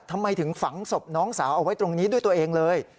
ทำไมถึงฝังศพน้องสาวเอาไว้ตรงนี้ด้วยตัวเองเลย